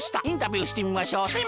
インタビューしてみましょう。